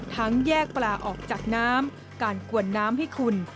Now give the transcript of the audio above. แยกปลาออกจากน้ำการกวนน้ำให้คุณ